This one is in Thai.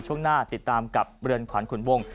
ช่วงหน้าติดตามกับเรือนขวัญขุนวง